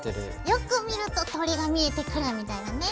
よく見ると鳥が見えてくるみたいなね。